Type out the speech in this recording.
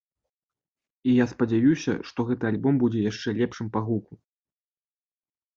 І я спадзяюся, што гэты альбом будзе яшчэ лепшым па гуку.